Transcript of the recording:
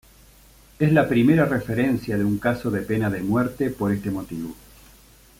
Es la primera referencia de un caso de pena de muerte por este motivo.